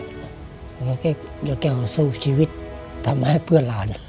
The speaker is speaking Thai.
เราก็แค่ยกแก้วสู้ชีวิตทำให้เพื่อนหลาน